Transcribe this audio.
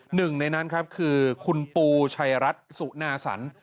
หนึ่งในนั้นครับคือคุณปูชัยรัฐสุนาสัน